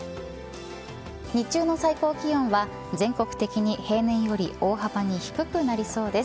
日中の最高気温は全国的に平年より大幅に低くなりそうです。